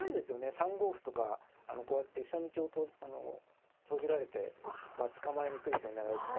３五歩とかこうやって飛車道を閉じられて捕まえに来る手を狙うとか。